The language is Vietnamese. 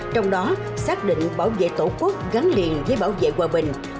trong đó xác định bảo vệ tổ quốc gắn liền với bảo vệ hòa bình